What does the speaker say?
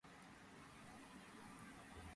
მუნმა მალე ყურადღება მიაპყრო ახალგაზრდობის პრობლემებს.